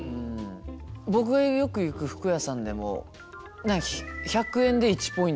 僕がよく行く服屋さんでも１００円で１ポイントみたいな。